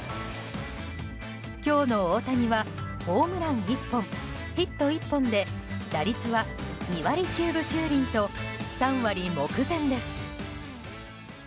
今日の大谷はホームラン１本、ヒット１本で打率は２割９分９厘と３割目前です。